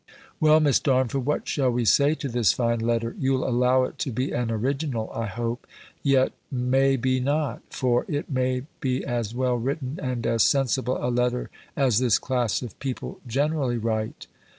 Well, Miss Darnford, what shall we say to this fine letter? You'll allow it to be an original, I hope. Yet, may be not. For it may be as well written, and as sensible a letter as this class of people generally write!